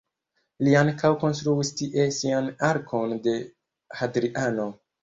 Li ankaŭ konstruis tie sian Arkon de Hadriano.